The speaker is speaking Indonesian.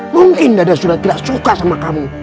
mungkin dede sudah tidak suka sama kamu